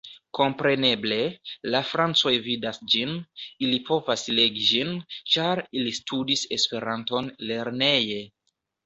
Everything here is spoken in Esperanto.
Kompreneble, la francoj vidas ĝin, ili povas legi ĝin, ĉar ili studis Esperanton lerneje.